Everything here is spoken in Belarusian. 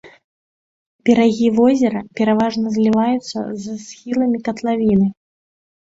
Берагі возера пераважна зліваюцца з схіламі катлавіны.